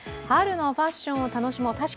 春のファッションを楽しもう。